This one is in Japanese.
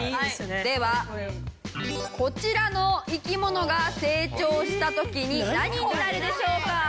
ではこちらの生き物が成長した時に何になるでしょうか？